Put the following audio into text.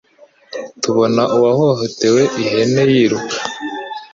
tubona uwahohotewe ihene yiruka